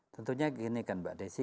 tentunya gini kan mbak desi